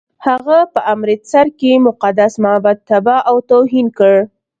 هغه په امرتسر کې مقدس معبد تباه او توهین کړ.